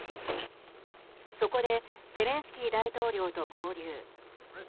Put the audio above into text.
そこでゼレンスキー大統領と合流。